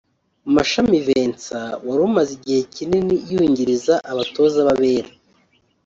Mashami Vincent wri umaze igihe kinini yungiriza abatoza b’abera